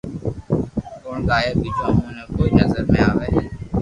گڻ گايو ٻيجو امو ني ڪوئي نظر ھي ڪوئي